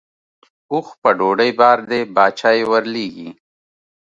اوښ په ډوډۍ بار دی باچا یې ورلېږي.